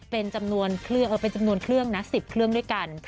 เป็นจำนวนเครื่องนะ๑๐เครื่องด้วยกัน